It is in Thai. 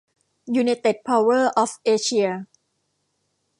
ยูไนเต็ด เพาเวอร์ ออฟ เอเชีย